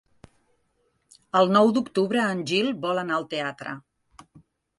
El nou d'octubre en Gil vol anar al teatre.